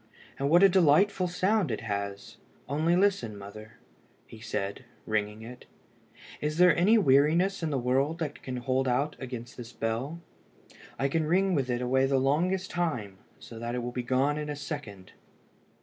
And what a delightful sound it has! Only listen, mother," said he, ringing it; "is there any weariness in the world that can hold out against this bell? I can ring with it away the longest time, so that it will be gone in a second."